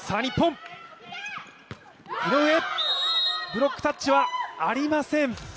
ブロックタッチはありません